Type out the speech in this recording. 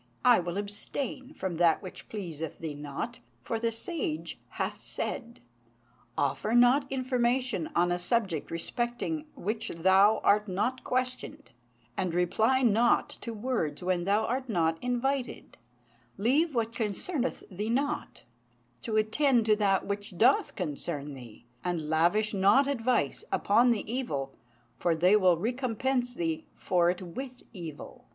I will abstain from that which pleaseth thee not; for the sage hath said, 'Offer not information on a subject respecting which thou art not questioned; and reply not to words when thou art not invited; leave what concerneth thee not, to attend to that which doth concern thee; and lavish not advice upon the evil, for they will recompense thee for it with evil.'"